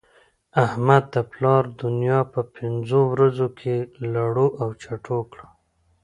احمد د پلا دونيا په پنځو ورځو کې لړو او چټو کړه.